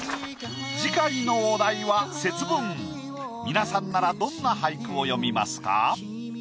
皆さんならどんな俳句を詠みますか？